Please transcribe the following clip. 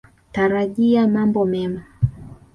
Tarajia mambo mema.